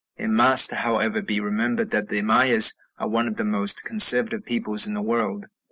It must, however, be remembered that the Mayas are one of the most conservative peoples in the world.